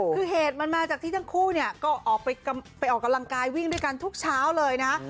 คือเหตุมันมาจากที่ทั้งคู่เนี่ยก็ออกไปออกกำลังกายวิ่งด้วยกันทุกเช้าเลยนะ